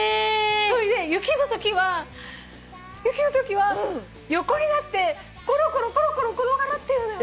それで雪のときは横になってコロコロコロコロ転がるっていうのよ。